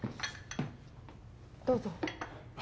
どうぞ。